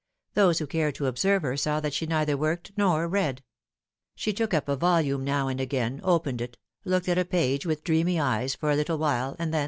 Those who cared to observe her saw that she neither worked nor read. She took up a volume now and again, opened it, looked at a page with dreamy eyes for a little while, and then laid it aside.